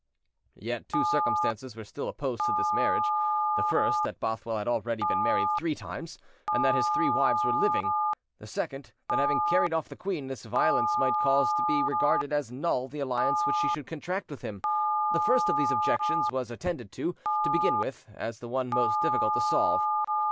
Yet two circumstances were still opposed to this marriage: the first, that Bothwell had already been married three times, and that his three wives were living; the second, that having carried off the queen, this violence might cause to be regarded as null the alliance which she should contract with him: the first of these objections was attended to, to begin with, as the one most difficult to solve.